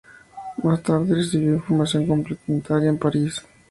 Más tarde recibió formación complementaria en París.